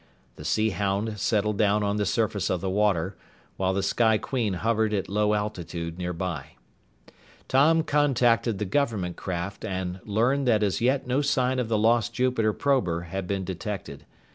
The Sea Hound settled down on the surface of the water, while the Sky Queen hovered at low altitude nearby. Tom contacted the government craft and learned that as yet no sign of the lost Jupiter prober had been detected.